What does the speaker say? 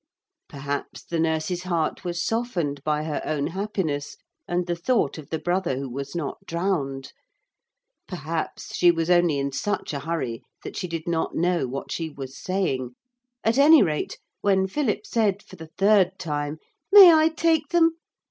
Perhaps the nurse's heart was softened by her own happiness and the thought of the brother who was not drowned. Perhaps she was only in such a hurry that she did not know what she was saying. At any rate, when Philip said for the third time, 'May I take them?'